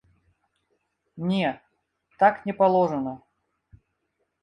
Не, так не паложана.